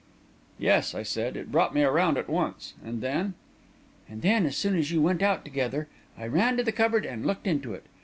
"Yes," I said; "it brought me around at once. And then?" "And then, as soon as you went out together, I ran to the cupboard and looked into it.